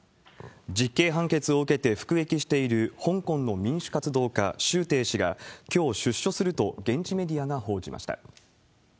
実刑判決を受けて服役している、香港の民主活動家、周庭氏が、きょう出所すると現地メディアが報じました。